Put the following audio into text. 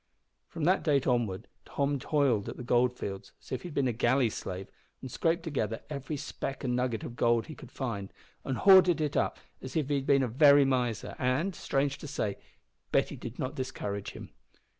From that date onward Tom toiled at the goldfields as if he had been a galley slave, and scraped together every speck and nugget of gold he could find, and hoarded it up as if he had been a very miser, and, strange to say, Betty did not discourage him.